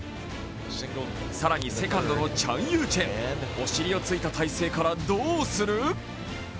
更にセカンドのチャン・ユーチェンお尻をついた体勢からどうする？